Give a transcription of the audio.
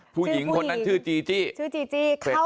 ผู้หญิงคนนั้นชื่อจีจี้